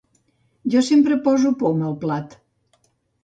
Jo sempre poso poma al plat.